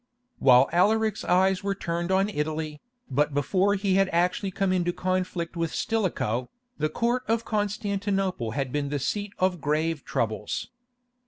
While Alaric's eyes were turned on Italy, but before he had actually come into conflict with Stilicho, the Court of Constantinople had been the seat of grave troubles.